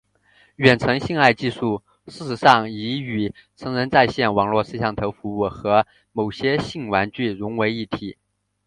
远程性爱技术事实上已与成人在线网络摄像头服务和某些性玩具融为一体。